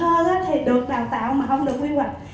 tượng thơ thì được đào tạo mà không được quy hoạch